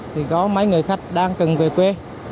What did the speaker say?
thì có mấy người khách đang cần về quê